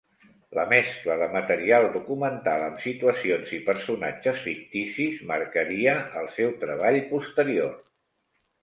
La mescla de material documental amb situacions i personatges ficticis marcaria el seu treball posterior.